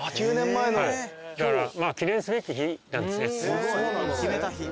だから記念すべき日なんですね。